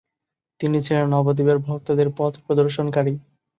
তিনি ছিলেন নবদ্বীপের ভক্তদের পথপ্রদর্শনকারী।